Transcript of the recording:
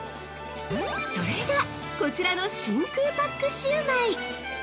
それがこちらの「真空パックシウマイ」！